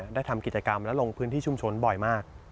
ได้ทำกิจกรรมและลงพื้นที่ชุมชนบ่อยมาก